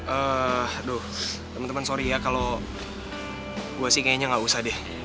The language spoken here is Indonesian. eh aduh temen temen sorry ya kalo gue sih kayaknya gak usah deh